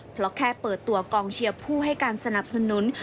เพราะแค่เปิดตัวกองเชียร์ผู้ให้การสนับสนุน